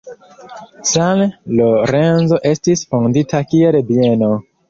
San Lorenzo estis fondita kiel bieno.